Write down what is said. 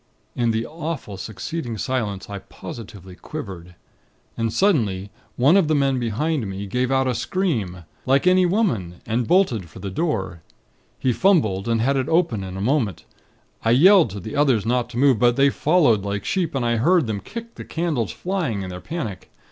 In the awful succeeding silence, I positively quivered. And suddenly, one of the men behind me, gave out a scream, like any woman, and bolted for the door. He fumbled, and had it open in a moment. I yelled to the others not to move; but they followed like sheep, and I heard them kick the candles flying, in their panic.